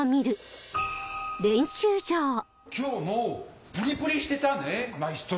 今日もプリプリしてたねマエストロ。